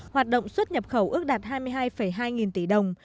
hoạt động xuất nhập khẩu ước đạt hai mươi hai hai nghìn tỷ đồng